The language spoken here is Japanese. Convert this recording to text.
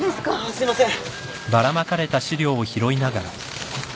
すいません。